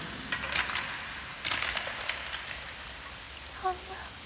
そんな。